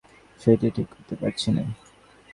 সেইটে ঠিক করতে পারছি নে।